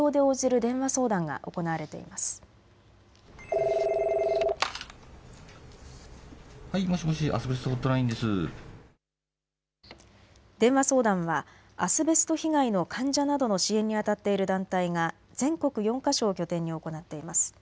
電話相談はアスベスト被害の患者などの支援にあたっている団体が全国４か所を拠点に行っています。